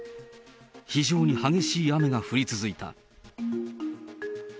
非常に激しい雨が降り続いた。